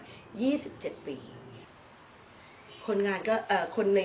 นี่คือกิจวัตรที่ตัวเองทำให้ครูชนใหม่